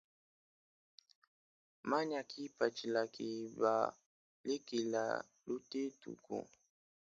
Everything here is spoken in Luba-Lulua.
Manya kipatshila keba lekela lutetuku.